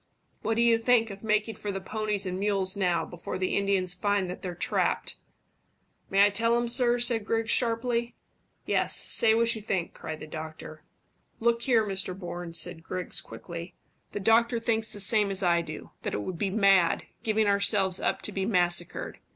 "What do you think of making for the ponies and mules now, before the Indians find that they're trapped?" "May I tell him, sir?" said Griggs sharply. "Yes, say what you think," cried the doctor. "Look here, Mr Bourne," said Griggs quickly; "the doctor thinks the same as I do that it would be mad, giving ourselves up to be massacred.